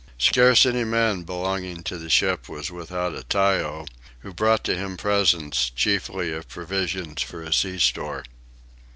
Scarce any man belonging to the ship was without a tyo, who brought to him presents, chiefly of provisions for a sea store.